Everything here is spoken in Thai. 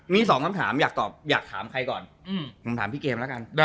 มีสองคำถามอยากถามใครก่อน